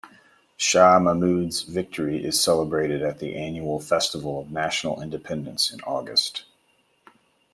Shah Mahmud's victory is celebrated at the annual festival of national independence in August.